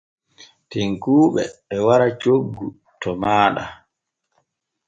Tekkuuɓe e wara coggu to maaɗa.